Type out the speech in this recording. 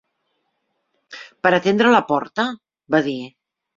Per atendre la porta? va dir.